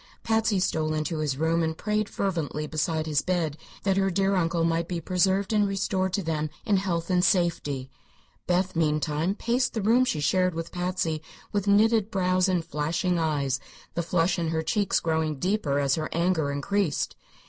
Patsy stole into his room and prayed fervently beside his bed that her dear uncle might be preserved and restored to them in health and safety. Beth, meantime, paced the room she shared with Patsy with knitted brows and flashing eyes, the flush in her cheeks growing deeper as her anger increased.